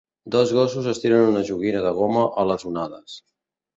Dos gossos estiren una joguina de goma a les onades